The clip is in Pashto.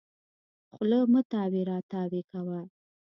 خوله مه تاوې راو تاوې کوه.